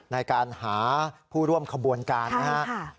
ในการหาผู้ร่วมขบวนการนะครับ